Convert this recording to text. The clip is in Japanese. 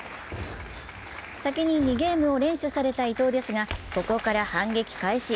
先に２ゲームを連取された伊藤ですが、ここから反撃開始。